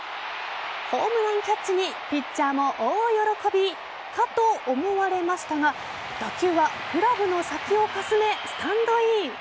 ホームランキャッチにピッチャーも大喜びかと思われましたが打球はグラブの先をかすめスタンドイン。